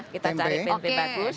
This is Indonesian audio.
kita cari tempe bagus